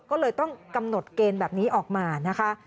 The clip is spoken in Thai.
ก็เลยต้องกำหนดเกณฑ์แบบนี้ออกมานะคะ